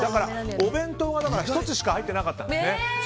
お弁当は１つしか入ってなかったんですね。